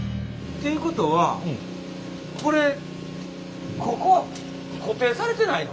ということはこれここ固定されてないの？